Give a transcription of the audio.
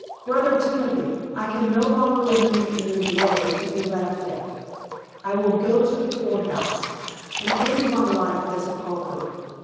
Brother Timothy, I can no longer remain in your dwelling to be laughed at; I will go to the poor house, and end my life as a pauper.